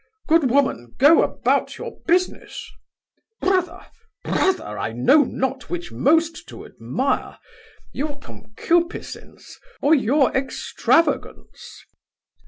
Good woman, go about your business Brother, brother, I know not which most to admire; your concupissins, or your extravagance!